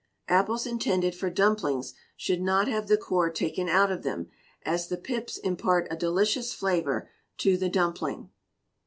Apples intended for dumplings should not have the core taken out of them, as the pips impart a delicious flavour to the dumpling.